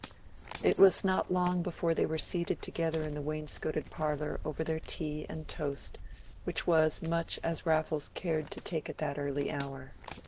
It was not long before they were seated together in the wainscoted parlor over their tea and toast, which was as much as Raffles cared to take at that early hour.